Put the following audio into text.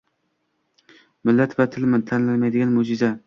Millat va til tanlamaydigan mo‘’jiza